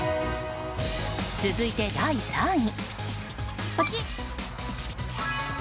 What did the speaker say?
続いて、第３位。